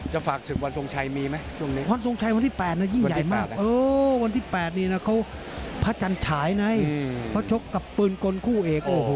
จะฝากศึกวันสงชายมีไหมวันสงชายวันที่๘น่ะยิ่งใหญ่มากวันที่๘นี้พระจันทรายไงเขาชกกับแบกปืนก้นคู่เอก